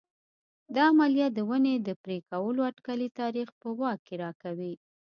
دا عملیه د ونې د پرې کولو اټکلي تاریخ په واک کې راکوي